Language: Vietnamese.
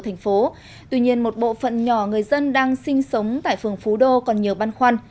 thành phố tuy nhiên một bộ phận nhỏ người dân đang sinh sống tại phường phú đô còn nhiều băn khoăn